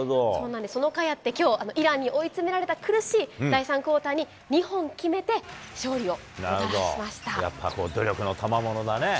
そのかいあって、きょう、イランに追い詰められた苦しい第３クオーターに２本決めて、努力のたまものだね。